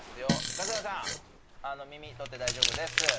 春日さん耳取って大丈夫です。